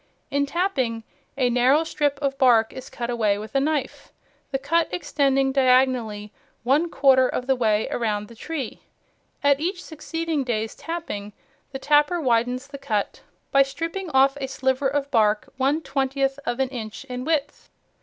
In tapping, a narrow strip of bark is cut away with a knife, the cut extending diagonally one quarter of the way around the tree. At each succeeding day's tapping the tapper widens the cut by stripping off a sliver of bark one twentieth of an inch in width.